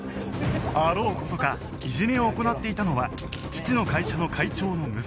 あろう事かいじめを行っていたのは父の会社の会長の息子だった